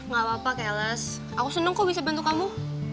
gak apa apa cales aku senang kok bisa bantu kamu